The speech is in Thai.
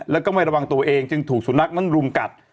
แล้วก็ไม่ระวังตัวเองจึงถูกสุนัขนั้นรุมกัด